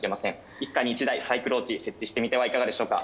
１家に１台サイクローチ設置してみてはいかがでしょうか。